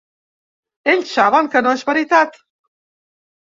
Ells saben que no és veritat.